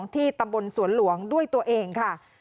ที่ตำบลสวนหลวงด้วยตัวเองค่ะ